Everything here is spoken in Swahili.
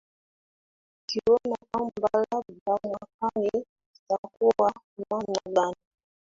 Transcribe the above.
kiona kwamba labda mwakani kitakua namna gani